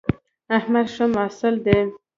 احمد ښه محصل دی